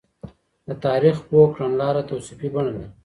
د تاريخ پوه کړنلاره توصيفي بڼه لري.